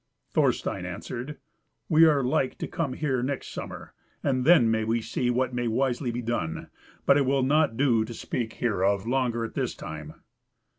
Thorstein answered, "We are like to come here next summer, and then may we see what may wisely be done, but it will not do to speak hereof longer as at this time."